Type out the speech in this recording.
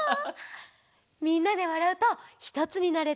みんなでわらうとひとつになれてうれしいね。